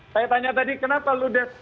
saya tanya tadi kenapa ludes